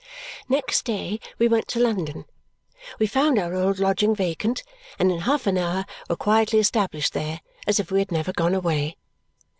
Next day we went to London. We found our old lodging vacant, and in half an hour were quietly established there, as if we had never gone away.